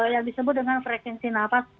yang disebut dengan frekuensi nafas